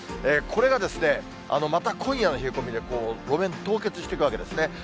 これがまた今夜の冷え込みで路面凍結していくわけですね。